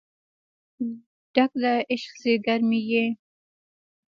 ډک د عشق ځیګر مې یې